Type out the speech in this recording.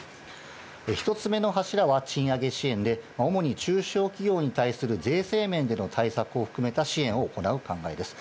１つ目の柱は賃上げ支援で、主に中小企業に対する税制面での対策を含めた支援を行う考えです。